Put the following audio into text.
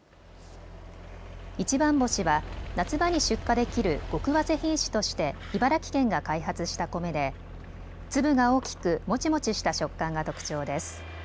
一番星は夏場に出荷できる極わせ品種として茨城県が開発した米で粒が大きくもちもちした食感が特徴です。